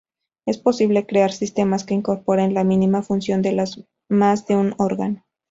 Es posible crear sistemas que incorporen la mínima función de más de un órgano.